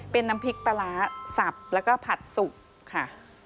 เป็นน้ำพริกปลาร้าสับแล้วก็ผัดสุกค่ะ